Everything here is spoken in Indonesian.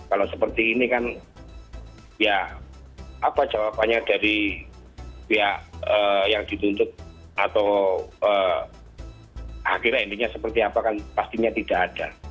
kalau seperti ini kan ya apa jawabannya dari pihak yang dituntut atau akhirnya endingnya seperti apa kan pastinya tidak ada